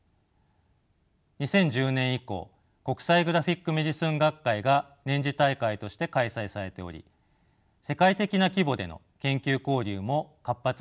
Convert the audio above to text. ２０１０年以降国際グラフィック・メディスン学会が年次大会として開催されており世界的な規模での研究交流も活発になされています。